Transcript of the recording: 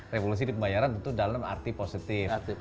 revolusi di pembayaran itu dalam arti positif